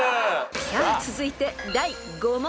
［さあ続いて第５問］